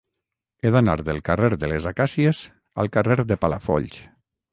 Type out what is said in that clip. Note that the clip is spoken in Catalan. He d'anar del carrer de les Acàcies al carrer de Palafolls.